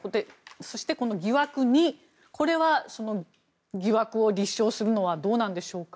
そして、疑惑２これは疑惑を立証するのはどうなんでしょうか。